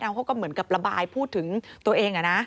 เขาก็เหมือนกับระบายพูดถึงตัวเอง